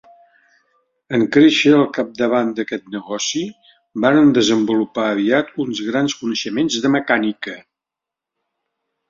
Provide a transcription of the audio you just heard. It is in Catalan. En créixer al capdavant d'aquest negoci, varen desenvolupar aviat uns grans coneixements de mecànica.